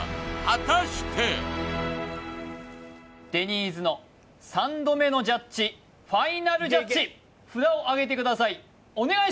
果たしてデニーズの３度目のジャッジファイナルジャッジ札をあげてください